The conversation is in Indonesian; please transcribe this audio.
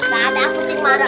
waduh mereka curang